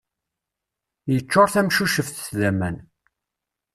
Yeččur tamcuceft d aman.